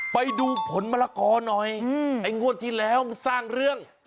ไปดูผลมะละกอหน่อยไอ้งวดที่แล้วมันสร้างเรื่อง